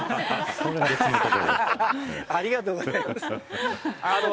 ありがとうございます。